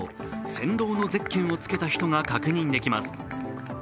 先導のゼッケンをつけた人が確認できます。